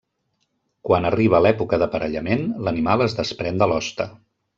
Quan arriba l'època d'aparellament, l'animal es desprèn de l'hoste.